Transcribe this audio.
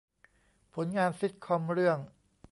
ผลงานซิตคอมเรื่อง